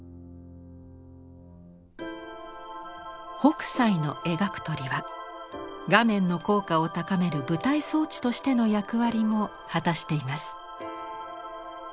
北斎の描く鳥は画面の効果を高める舞台装置としての役割も果たしています。